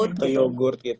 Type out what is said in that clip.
atau yogurt gitu